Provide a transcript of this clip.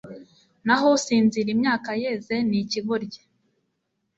naho usinzira imyaka yeze ni ikigoryi